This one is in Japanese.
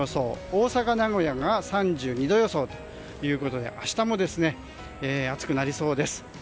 大阪、名古屋が３２度予想と明日も暑くなりそうです。